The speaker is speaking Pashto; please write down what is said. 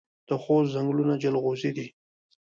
د خوست ځنګلونه جلغوزي دي